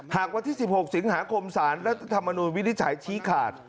หากวันที่๑๖สิงหาคมสารรัฐธรรมนุนวินิจฉัยชี้ขาด